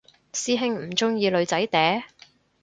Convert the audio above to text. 師兄唔鍾意女仔嗲？